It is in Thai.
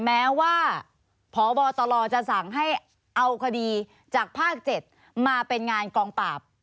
แม้ว่าพบตลจะสั่งให้เอาคดีจากภาค๗มาเป็นงานกองปราบ